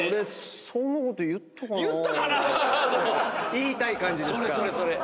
言いたい感じですか。